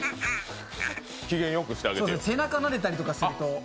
背中なでたりすると。